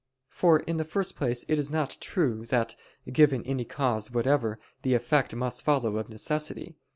For in the first place it is not true that, given any cause whatever, the effect must follow of necessity.